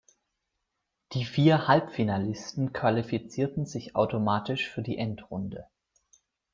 Die vier Halbfinalisten qualifizierten sich automatisch für die Endrunde.